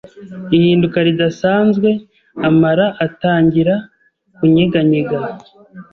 ihinduka ridasanzwe amara atangira kunyeganyega